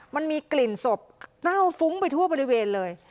มันมีกลิ่นศพเน่าฟุ้งไปทั่วบริเวณเลย